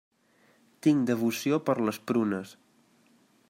Tinc devoció per les prunes.